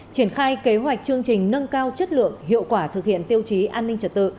triển khai kế hoạch chương trình nâng cao chất lượng hiệu quả thực hiện tiêu chí an ninh trật tự